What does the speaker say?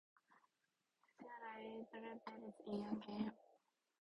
There are eight levels in a game.